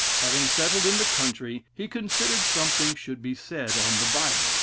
Having settled in the country, he considered something should be said on the Bible.